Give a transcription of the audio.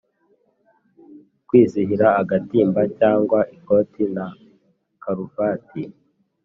“Kwizihira agatimba cyangwa ikoti na karuvati”